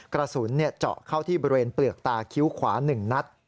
กระสุนเจาะเข้าที่บริเวณเปลือกตาคิ้วขวา๑นัด